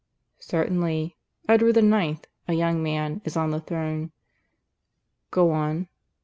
"Certainly. Edward IX a young man is on the throne." "Go on."